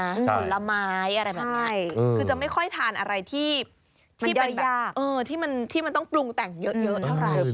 ผลไม้อะไรแบบนี้คือจะไม่ค่อยทานอะไรที่มันต้องปรุงแต่งเยอะเท่าไหร่